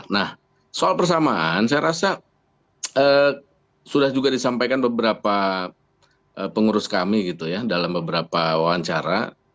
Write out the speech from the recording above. nah soal persamaan saya rasa sudah juga disampaikan beberapa pengurus kami gitu ya dalam beberapa wawancara